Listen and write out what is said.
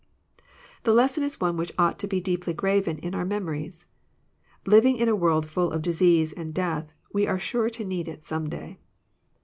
"^" The lesson is one which ought to be deeply graven in our memories. Living in a world full of disease and death, we are sure to need it some day.